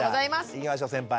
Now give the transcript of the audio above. いきましょう先輩。